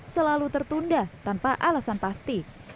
selalu tertunda tanpa alasan pasti